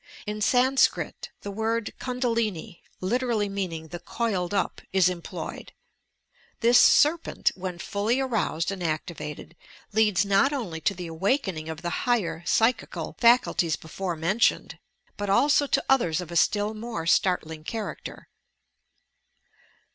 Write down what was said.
In Sanscrit the word "Kundalini" (literally meaning "the coiled up") is employed. This "serpent," when fully aroused and activated, leads not only to the awakening of the higher psychical faculties before mentioned, but also to others of a still more startling character.